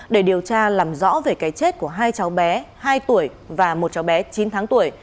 để điều tra làm rõ về cái chết của hai cháu bé hai tuổi và một cháu bé chín tháng tuổi